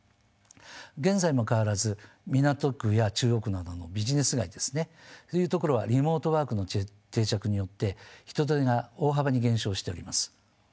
現在も変わらず港区や中央区などのビジネス街ですねという所はリモートワークの定着によって人出が大幅に減少しております。